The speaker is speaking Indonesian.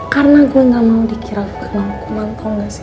karena gue gak mau dikira kenal kumat tau gak sih